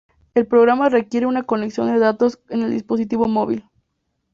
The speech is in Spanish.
El programa requiere una conexión de datos en el dispositivo móvil.